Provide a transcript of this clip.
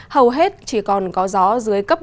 hầu hết chỉ còn có gió dưới cấp